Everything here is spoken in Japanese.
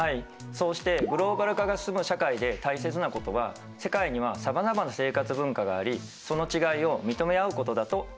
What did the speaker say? そうしてグローバル化が進む社会で大切なことは世界にはさまざまな生活文化がありその違いを認め合うことだと思います。